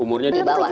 umurnya di bawah kan